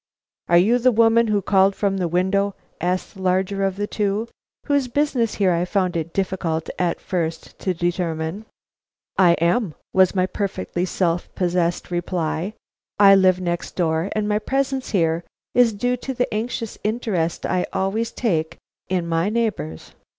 "Are you the woman who called from the window?" asked the larger of the two, whose business here I found it difficult at first to determine. "I am," was my perfectly self possessed reply. "I live next door and my presence here is due to the anxious interest I always take in my neighbors.